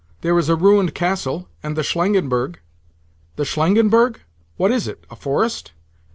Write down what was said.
"There is a ruined castle, and the Shlangenberg." "The Shlangenberg? What is it? A forest?"